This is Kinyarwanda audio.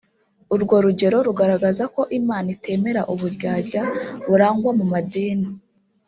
Urwo rugero rugaragaza ko Imana itemera uburyarya burangwa mu madini